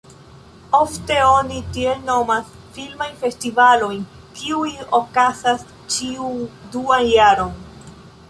Ofte oni tiel nomas filmajn festivalojn, kiuj okazas ĉiun duan jaron.